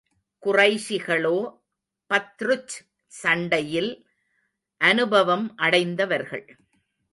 குறைஷிகளோ பத்ருச் சண்டையில் அனுபவம் அடைந்தவர்கள்.